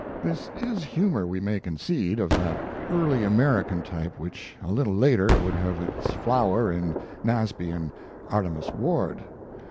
This is humor, we may concede, of that early American type which a little later would have its flower in Nasby and Artemus Ward.